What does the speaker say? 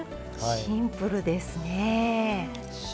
シンプルですね。